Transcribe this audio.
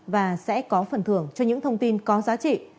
và sẽ có phần thưởng cho những thông tin có giá trị